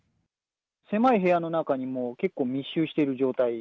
狭い部屋の中に、もう結構密集している状態。